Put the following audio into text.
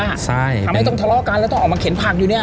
ใช่ทำให้ต้องทะเลาะกันแล้วต้องออกมาเข็นผักอยู่เนี่ย